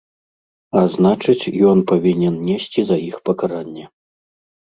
А значыць, ён павінен несці за іх пакаранне.